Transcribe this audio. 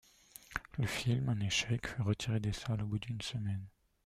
Le film, un échec, fut retiré des salles au bout d'une semaine.